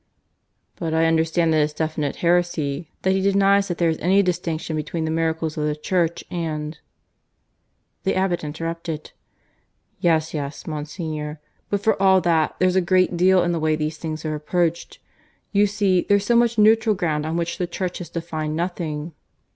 "But I understand that it's definite heresy that he denies that there is any distinction between the miracles of the Church and " The abbot interrupted. "Yes, yes, Monsignor. But for all that there's a great deal in the way these things are approached. You see there's so much neutral ground on which the Church has defined nothing."